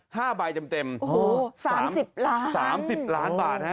ห้าใบเต็มเต็มโอ้โหสามสิบล้านสามสิบล้านบาทฮะ